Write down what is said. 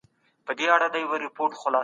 د فیلو کورنۍ هم شته.